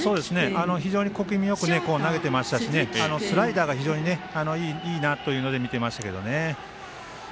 非常によく投げていましたしスライダーがいいなというふうに見ていましたけどもね。